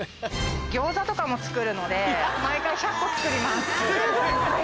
餃子とかも作るので毎回１００個作ります。